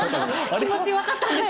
気持ち分かったんですか？